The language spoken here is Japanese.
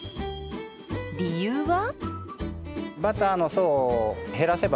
理由は。